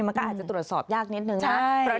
มันก็อาจจะตรวจสอบยากนิดนึงนะ